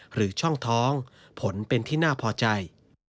หรือช่องท้องผลเป็นที่น่าพอใจ